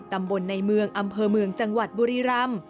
ตำบลในเมืองอำเภอเมืองจังหวัดบุรีรำ